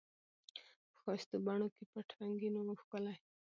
په ښایستو بڼو کي پټ رنګین وو ښکلی